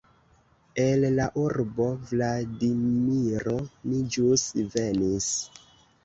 El la urbo Vladimiro ni ĵus venis!